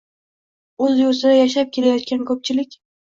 o‘z yurtida yashab kelayotgan ko‘pchilik